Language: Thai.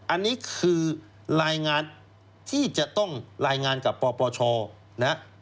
อันนี้คือรายงานที่จะต้องรายงานกับปปชนะ